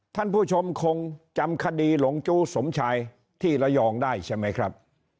ท่านผู้ชมคงจำคดีหลงจู้สมชายที่ระยองได้ใช่ไหมครับ